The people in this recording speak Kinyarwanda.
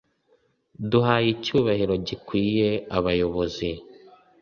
Duhaye icyubahiro gikwiye abayobozi